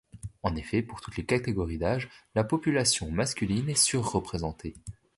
En effet, pour toutes les catégories d'âge, la population masculine est surreprésentée.